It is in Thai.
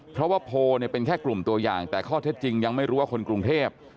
เพราะว่าโพลเนี่ยเป็นแค่กลุ่มตัวอย่างแต่ข้อเท็จจริงยังไม่รู้ว่าคนกรุงเทพ